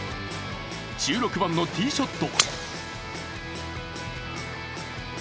１６番のティーショット。